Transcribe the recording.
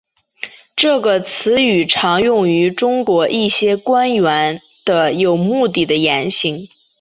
这个词语常用于中国一些官员的有目的言行。